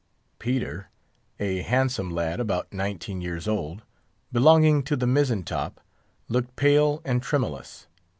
Peter, a handsome lad about nineteen years old, belonging to the mizzen top, looked pale and tremulous.